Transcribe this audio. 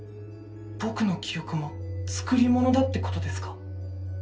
僕の記憶もつくり物だってことですか？